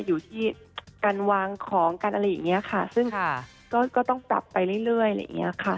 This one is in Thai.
อยู่ที่การวางของกันอะไรอย่างเงี้ยค่ะซึ่งก็ต้องปรับไปเรื่อยอะไรอย่างเงี้ยค่ะ